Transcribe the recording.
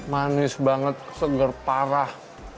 manis banget seger parah